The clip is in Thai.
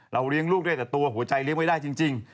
เลี้ยงลูกได้แต่ตัวหัวใจเลี้ยงไม่ได้จริง